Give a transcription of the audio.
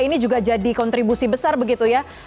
ini juga jadi kontribusi besar begitu ya